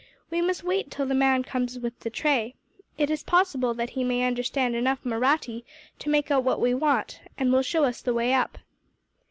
We must wait till the man comes in with the tray. It is possible that he may understand enough Mahratti to make out what we want, and will show us the way up.